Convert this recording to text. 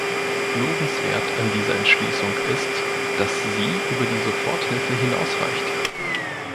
Lobenswert an dieser Entschließung ist, dass sie über die Soforthilfe hinausreicht.